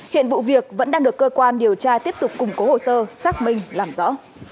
hiện vụ việc vẫn đang được cơ quan điều tra tiếp tục củng cố hồ sơ xác minh làm rõ